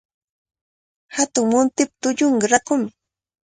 Hatun muntipa tullunqa rakumi.